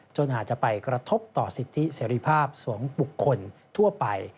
จนอาจจะไปกระทบต่อสิทธิเสรีภาพสวงบุคคลทั่วไป